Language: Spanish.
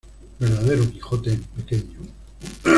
Verdadero Quijote en pequeño.